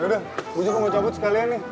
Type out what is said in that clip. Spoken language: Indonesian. yaudah gue juga mau cabut sekalian nih